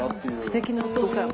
すてきなお父さん。